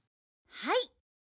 はい。